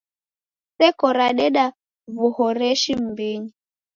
Seko rareda w'uhoreshi m'mbinyi.